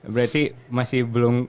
berarti masih belum